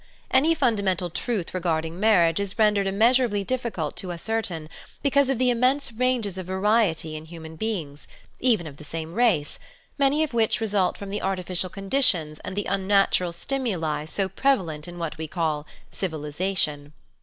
) Any fundamental truth regarding marriage is ; rendered immeasurably difficult to ascertain because of the immense ranges of variety in human beings, '\ even of the same race, many of which result from the \ artificial conditions and the unnatural stimuli so preva i lent in what we call civilisation.